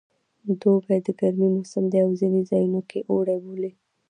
دوبی د ګرمي موسم دی او ځینې ځایو کې اوړی بولي